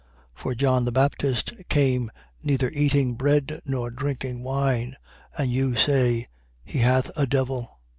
7:33. For John the Baptist came neither eating bread nor drinking wine. And you say: He hath a devil.